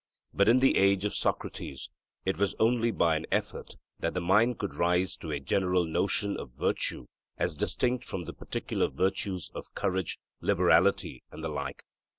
But in the age of Socrates it was only by an effort that the mind could rise to a general notion of virtue as distinct from the particular virtues of courage, liberality, and the like.